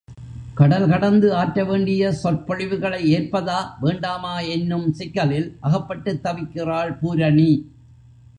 கடல் கடந்து ஆற்ற வேண்டிய சொற்பொழிவுகளை ஏற்பதா, வேண்டாமா என்னும் சிக்கலில் அகப்பட்டுத் தவிக்கிறாள் பூரணி.